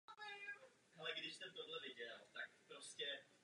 Byl spoluzakladatelem a prvním prezidentem Latinskoamerické společnosti.